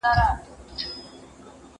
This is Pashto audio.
زه به سبا لوبه کوم؟